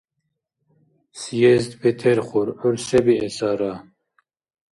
Съезд бетерхур, гӀур се биэсара?